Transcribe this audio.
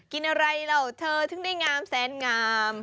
กินอะไรเหล่าเธอถึงได้งามแสนงาม